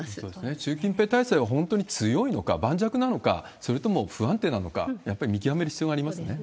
習近平体制は本当に強いのか、盤石なのか、それとも不安定なのか、やっぱり見極める必要がありますね。